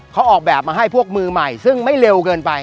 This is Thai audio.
เขาออกแบบมาให้พวกมือใหม่ซึ่งไม่เร็วเกินไป